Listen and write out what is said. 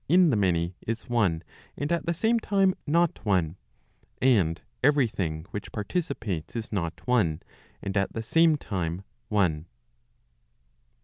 in the many, is one and at the same time not one; and every thing which participates is not one, and at the same time one.